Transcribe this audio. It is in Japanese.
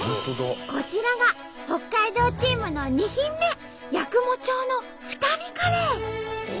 こちらが北海道チームの２品目八雲町のええ？